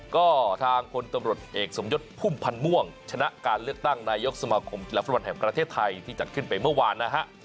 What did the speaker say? ก็ทางพลตำรวจเอกสมยศพุ่มพันธ์ม่วงชนะการเลือกตั้งนายกสมาคมกีฬาฟุตบอลแห่งประเทศไทยที่จัดขึ้นไปเมื่อวานนะฮะ